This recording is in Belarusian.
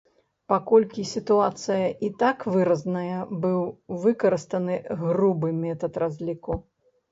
Паколькі сітуацыя і так выразная, быў выкарыстаны грубы метад разліку.